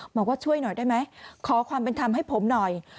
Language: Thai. บอกว่าช่วยหน่อยได้ไหมขอความเป็นธรรมให้ผมหน่อย